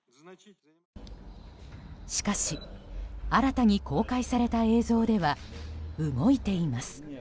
しかし新たに公開された映像では動いています。